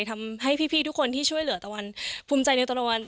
ทำให้พี่ทุกคนที่ช่วยเหลือตะวันภูมิใจในตะวัน